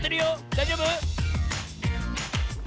だいじょうぶ？